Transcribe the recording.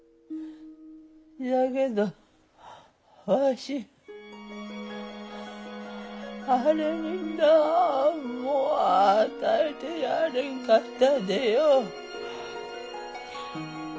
じゃけどわしあれになんも与えてやれんかったでよ。